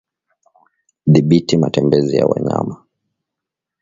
Dhibiti matembezi ya wanyama